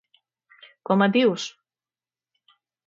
com et dius?